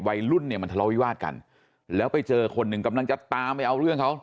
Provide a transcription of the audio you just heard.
วัยรุ่นเนี่ยมันทะเลาวิวาสกันแล้วไปเจอคนหนึ่งกำลังจะตามไปเอาเรื่องเขา